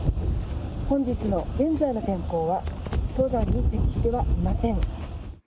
本日の現在の天候は、登山に適してはいません。